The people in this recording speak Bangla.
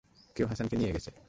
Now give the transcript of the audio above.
কেউ হাসানকে নিয়ে গেছে।